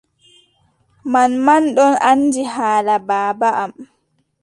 Manman ɗon anndi haala baaba am.